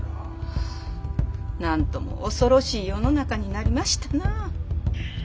はあなんとも恐ろしい世の中になりましたなあ。